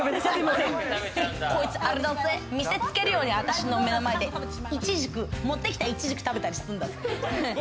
こいつ、あれだぜ、見せつけるように私の目の前で持ってきたイチジク食べたりするんだぜ。